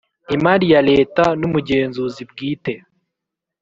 Imari ya Leta n Umugenzuzi Bwite